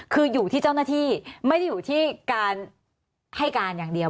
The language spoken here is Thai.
คืออยู่ที่เจ้าหน้าที่ไม่ได้อยู่ที่การให้การอย่างเดียว